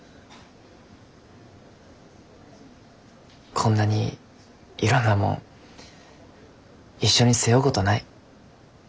こんなにいろんなもん一緒に背負うごどない。